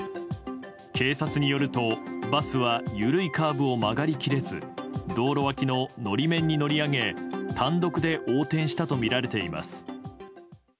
警察によると、バスは緩いカーブを曲がり切れず道路脇の法面に乗り上げ単独で横転したとみられています。